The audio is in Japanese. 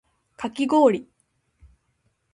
かきごおり